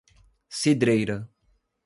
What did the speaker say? Cidreira